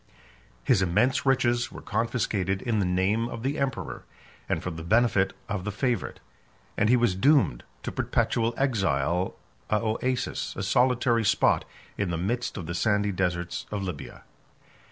His immense riches were confiscated in the name of the emperor, and for the benefit of the favorite; and he was doomed to perpetual exile a Oasis, a solitary spot in the midst of the sandy deserts of Libya.